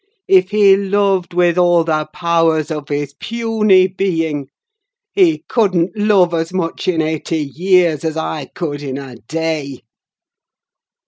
If he loved with all the powers of his puny being, he couldn't love as much in eighty years as I could in a day.